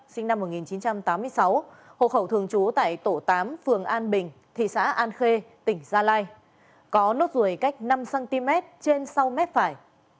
sinh năm một nghìn chín trăm tám mươi sáu hộ khẩu thường trú tại tổ tám phường an bình thị xã an khê tỉnh gia lai có nốt ruồi cách năm cm trên sau mép phải